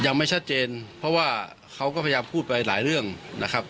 ยังไม่ชัดเจนเพราะว่าเขาก็พยายามพูดไปหลายเรื่องนะครับ